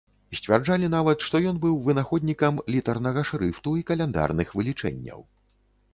Сцвярджалі нават, што ён быў вынаходнікам літарнага шрыфту і каляндарных вылічэнняў.